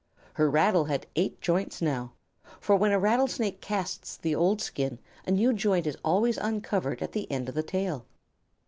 Her rattle had eight joints now, for when a Rattlesnake casts the old skin a new joint is always uncovered at the end of the tail.